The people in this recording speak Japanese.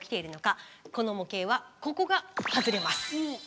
この模型はここが外れます。